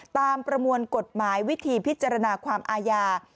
ประมวลกฎหมายวิธีพิจารณาความอาญา